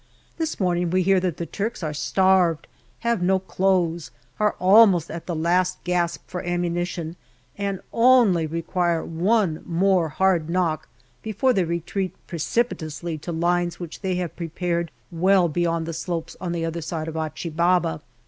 This morning we hear that the Turks are starved, have no clothes, are almost at the last gasp for ammunition, and only require one more hard knock before they retreat precipitously to lines which they have prepared well beyond the slopes on the other side of Achi Baba.